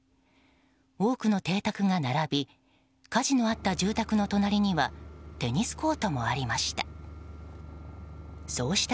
多くの邸宅が並び火事のあった住宅の隣にはテニスコートもありました。